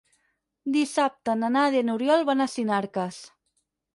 Dissabte na Nàdia i n'Oriol van a Sinarques.